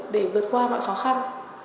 để vượt qua mọi khó khăn